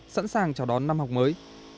sẵn sàng chào đón năm học mới